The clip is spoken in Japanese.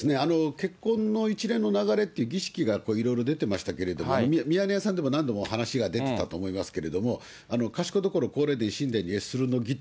結婚の一連の流れって、儀式がいろいろ出てましたけれども、ミヤネ屋さんでも何度も話が出てたと思いますけれども、賢所皇霊殿神殿に謁するの儀。